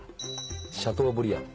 シャトーブリアン。